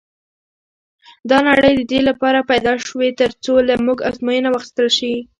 دا نړۍ د دې لپاره پيدا شوې تر څو له موږ ازموینه واخیستل شي.